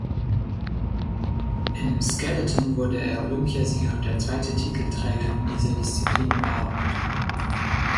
Im Skeleton wurde er Olympiasieger und der zweite Titelträger in dieser Disziplin überhaupt.